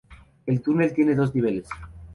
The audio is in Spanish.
El túnel tiene dos niveles.